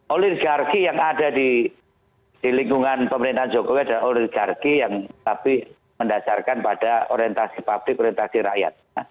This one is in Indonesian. oligarki yang ada di lingkungan pemerintahan jogok ada oligarki yang tapi mendasarkan pada orientasi praktik orientasi rakyat